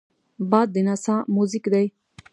باد د نڅا موزیک دی